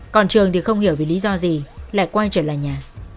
còn trường thì không hiểu vì lý do gì lại quay trở lại nhà